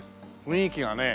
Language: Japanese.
雰囲気がね